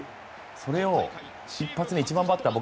それを一発で、１番バッターが。